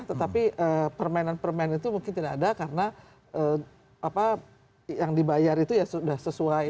tetapi permainan permainan itu mungkin tidak ada karena yang dibayar itu ya sudah sesuai